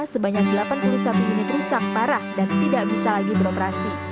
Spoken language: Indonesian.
sebanyak delapan puluh satu unit rusak parah dan tidak bisa lagi beroperasi